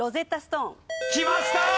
きました！